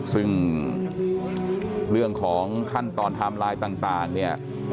ซึ่งเรื่องของขั้นตอนไทม์ไลน์ต่างเนี่ย